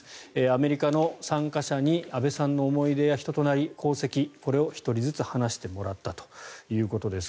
アメリカの参加者に安倍さんの思い出や人となり、功績これを１人ずつ話してもらったということです。